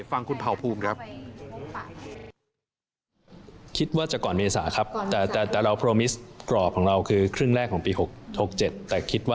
ฟังคุณเผ่าภูมิครับ